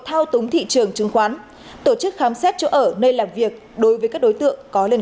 thao túng thị trường chứng khoán tổ chức khám xét chỗ ở nơi làm việc đối với các đối tượng có liên